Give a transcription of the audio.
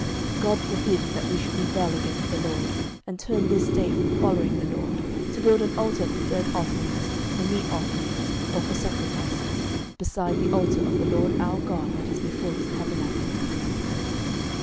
06:022:029 God forbid that we should rebel against the LORD, and turn this day from following the LORD, to build an altar for burnt offerings, for meat offerings, or for sacrifices, beside the altar of the LORD our God that is before his tabernacle.